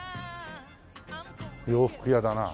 洋服屋だな。